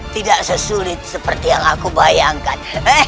tidak sesulit seperti yang aku bayangkan